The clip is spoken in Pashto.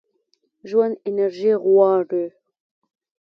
ژوند انرژي غواړي.